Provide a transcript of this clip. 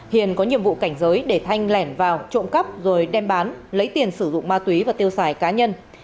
hiền có nhiệm vụ cảnh giới để thanh lẻn vào trộm cắp rồi đem bán lấy tiền sử dụng ma túy và tiêu xài cá nhân